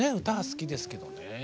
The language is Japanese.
歌は好きですけどね。